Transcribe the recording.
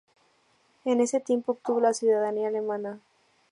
En ese tiempo obtuvo la ciudadanía alemana.